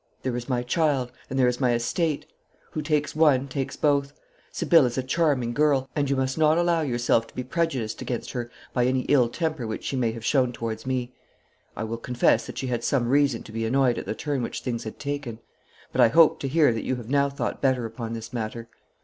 There is my child, and there is my estate. Who takes one, takes both. Sibylle is a charming girl, and you must not allow yourself to be prejudiced against her by any ill temper which she may have shown towards me. I will confess that she had some reason to be annoyed at the turn which things had taken. But I hope to hear that you have now thought better upon this matter.'